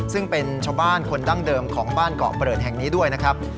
ซึ่งเป็นชาวบ้านคนดั้งเดิมของบ้านเกาะเปิดแห่งนี้ด้วยนะครับ